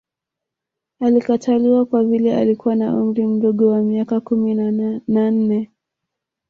Alikataliwa kwa vile alikuwa na umri mdogo wa miaka kumi na nne